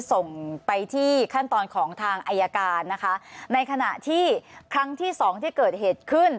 ส่งไปที่ขั้นตอนของทางอายการนะคะในขณะที่ครั้งที่สองที่เกิดเหตุขึ้น